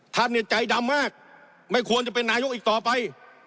ท่านเนี่ยใจดำมากไม่ควรจะเป็นนายกอีกต่อไป